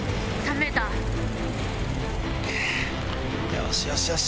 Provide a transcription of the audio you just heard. よしよしよし！